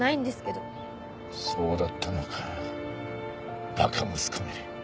そうだったのか馬鹿息子め。